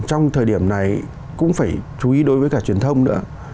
trong thời điểm này cũng phải chú ý đối với cả truyền thông nữa